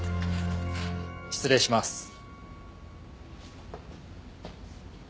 失礼します。